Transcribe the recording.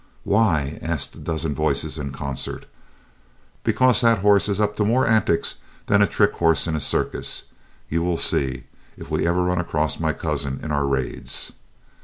"Why?" asked a dozen voices in concert. "Because that horse is up to more antics than a trick horse in a circus. You will see, if we ever run across my cousin in our raids."